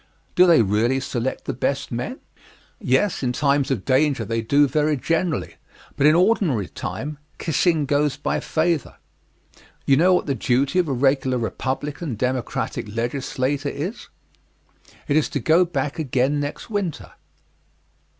Do they really select the best men? Yes; in times of danger they do very generally, but in ordinary time, "kissing goes by favor." You know what the duty of a regular Republican Democratic legislator is. It is to get back again next winter.